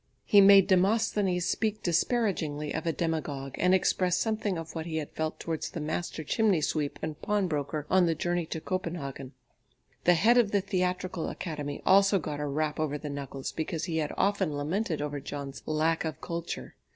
He made Demosthenes speak disparagingly of a demagogue, and express something of what he had felt towards the master chimney sweep and pawnbroker on the journey to Copenhagen. The head of the Theatrical Academy also got a rap over the knuckles because he had often lamented over John's "lack of culture."